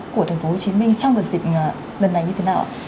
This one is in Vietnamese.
của thành phố hồ chí minh trong đợt dịch gần này như thế nào ạ